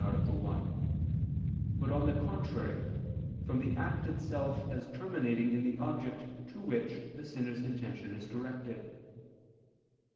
1), but one the contrary, from the act itself as terminating in the object to which the sinner's intention is directed.